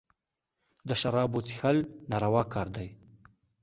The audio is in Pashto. د شرابو څېښل ناروا کار دئ.